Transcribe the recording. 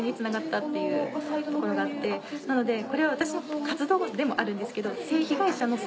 なのでこれは私の活動でもあるんですけど。と思います。